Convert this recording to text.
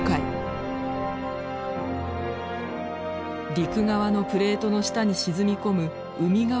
陸側のプレートの下に沈み込む海側のプレート。